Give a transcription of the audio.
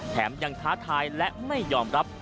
แถมยังท้าทายและไม่ยอมรับ